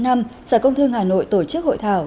năm sở công thương hà nội tổ chức hội thảo